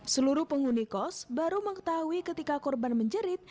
seluruh pengunikos baru mengetahui ketika korban menjerit